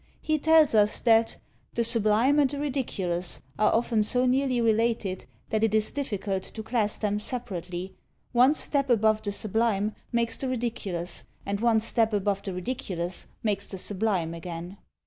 He tells us that "the sublime and the ridiculous are often so nearly related, that it is difficult to class them separately. One step above the sublime makes the ridiculous, and one step above the ridiculous makes the sublime again."